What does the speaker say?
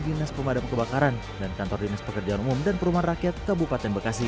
dinas pemadam kebakaran dan kantor dinas pekerjaan umum dan perumahan rakyat kabupaten bekasi